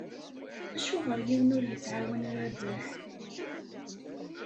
Acuɣer yiwen ur yettɛawan Rabaḥ?